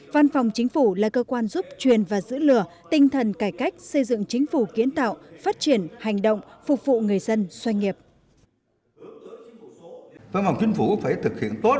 văn phòng chính phủ là cơ quan giúp truyền và giữ lửa tinh thần cải cách xây dựng chính phủ kiến tạo phát triển hành động phục vụ người dân doanh nghiệp